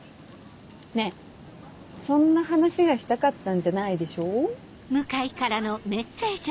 ねぇそんな話がしたかったんじゃないでしょ？